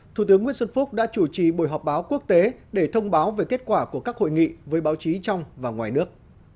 thủ tướng nguyễn xuân phúc đã chủ trì buổi họp báo quốc tế để thông báo về kết quả của các hội nghị với báo chí trong và ngoài nước